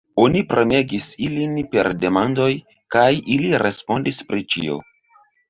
Oni premegis ilin per demandoj, kaj ili respondis pri ĉio.